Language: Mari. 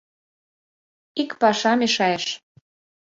Ик паша мешайыш.